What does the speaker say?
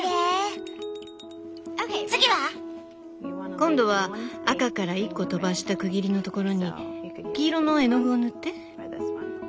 今度は赤から１個とばした区切りのところに黄色の絵の具を塗って。